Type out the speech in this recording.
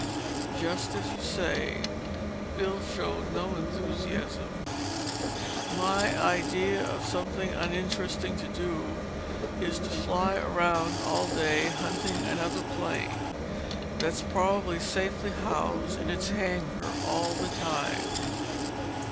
"Just as you say." Bill showed no enthusiasm. "My idea of something uninteresting to do is to fly around all day, hunting another plane, that's probably safely housed in its hangar all the time."